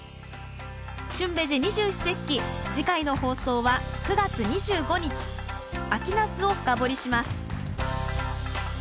「旬ベジ二十四節気」次回の放送は９月２５日「秋ナス」を深掘りします。